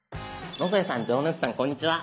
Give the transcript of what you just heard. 野添さん城之内さんこんにちは。